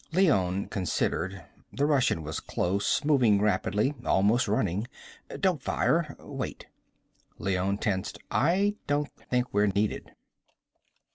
Leone considered. The Russian was close, moving rapidly, almost running. "Don't fire. Wait." Leone tensed. "I don't think we're needed."